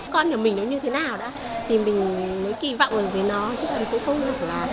con của mình nó như thế nào đó thì mình mới kỳ vọng về nó chắc là cũng không được